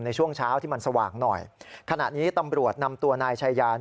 ในช่วงเช้าที่มันสว่างหน่อยขณะนี้ตำรวจนำตัวนายชายา